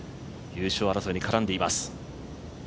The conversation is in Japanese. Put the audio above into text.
優勝争いに絡んでいます。